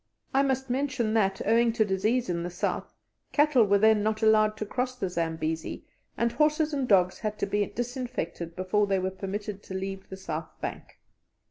I must mention that, owing to disease in the south, cattle were then not allowed to cross the Zambesi, and horses and dogs had to be disinfected before they were permitted to leave the south bank.